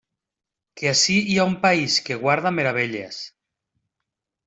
Que ací hi ha un país que guarda meravelles.